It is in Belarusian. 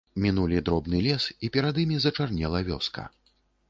Мінулі дробны лес, і перад імі зачарнела вёска.